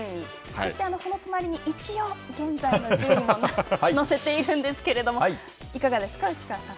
そして、その隣に一応現在の順位も載せているんですけれども、いかがですか、内川さん。